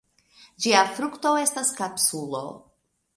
Ĝia frukto estas kapsulo.